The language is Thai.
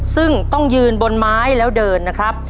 ซึ่งต้องยืนบนไม้แล้วเดินนะครับ